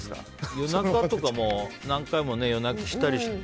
夜中とかも何回も夜泣きしたりして。